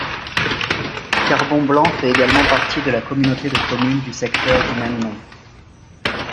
Carbon-Blanc fait également partie de la communauté de communes du secteur du même nom.